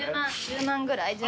１０万ぐらい？